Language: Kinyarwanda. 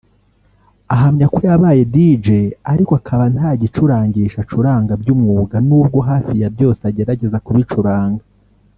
Ahamya ko yabaye Dj ariko akaba nta gicurangisho acuranga by’umwuga n’ubwo hafi ya byose agerageza kubicuranga